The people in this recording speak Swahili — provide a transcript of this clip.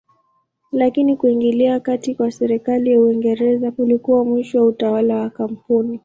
Lakini kuingilia kati kwa serikali ya Uingereza kulikuwa mwisho wa utawala wa kampuni.